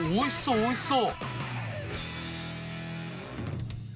おいしそう。